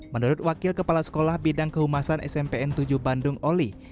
menurut wakil kepala sekolah bidang kehumasan smpn tujuh bandung oli